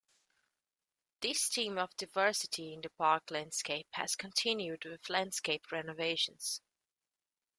This theme of diversity in the park landscape has continued with landscape renovations.